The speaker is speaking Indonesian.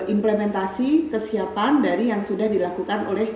implementasi kesiapan dari yang sudah dilakukan oleh